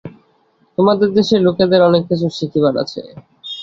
তোমাদের দেশের লোকেদের অনেক কিছু শিখিবার আছে।